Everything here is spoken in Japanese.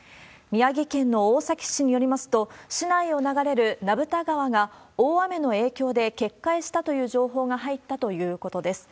宮城県の大崎市によりますと、市内を流れる名蓋川が大雨の影響で決壊したという情報が入ったということです。